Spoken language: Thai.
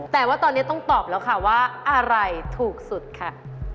แต่ว่าตอนนี้ต้องตอบแล้วค่ะว่าอะไรถูกสุดค่ะ